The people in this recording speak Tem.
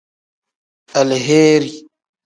Aleheeri.